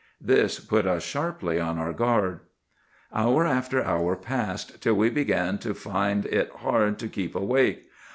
This put us sharply on our guard. "Hour after hour passed, till we began to find it hard to keep awake.